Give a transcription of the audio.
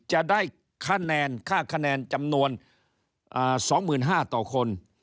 จะได้ค่าแนนจำนวน๒๕๐๐๐ต่อคน